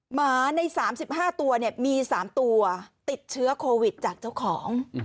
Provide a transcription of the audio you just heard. หมาใน๓๕ตัวมี๓ตัวติดเชื้อโควิดจากเจ้าของ